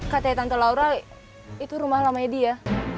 katanya tante laura itu rumah lamanya dia